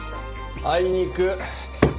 あいにく。